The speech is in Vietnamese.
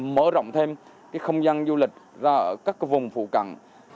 mở rộng thêm không gian du lịch ra ở các vùng phụ cận